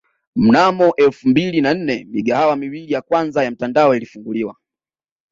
Mnamo elfu mbili na nne migahawa miwili ya kwanza ya mtandao ilifunguliwa